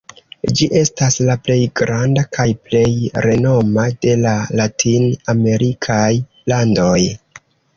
Ĝi estas la plej granda kaj plej renoma de la latin-amerikaj landoj.